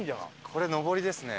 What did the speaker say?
これ上りですね。